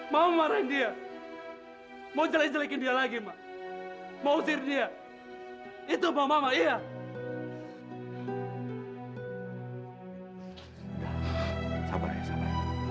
mama gak mau lihat anak mama kayak begini